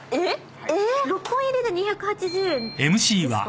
６本入りで２８０円ですか？